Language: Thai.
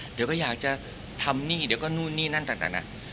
เดี๋ยวก็อยากจะทำหนี้เดี๋ยวก็นู่นนี่นั่นต่างนะ